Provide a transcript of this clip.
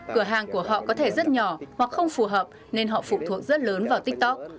cửa hàng của họ có thể rất nhỏ hoặc không phù hợp nên họ phụ thuộc rất lớn vào tiktok